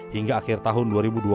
hingga akhir tahun dua ribu dua puluh